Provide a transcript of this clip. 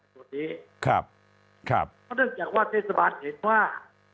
เพราะเนื่องจากว่าเทศบาทเห็นว่า